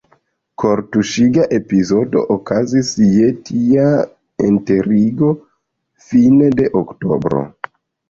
Kortuŝiga epizodo okazis je tia enterigo fine de Oktobro.